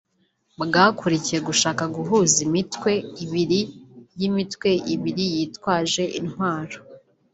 bwakurikiye gushaka guhuza imitwe ibiri y’iimitwe ibiri yitwaje intwaro”